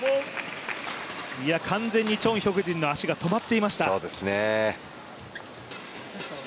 完全にチョン・ヒョクジンの足が止まっていました。